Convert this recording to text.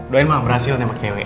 doain ma berhasil nembak cewek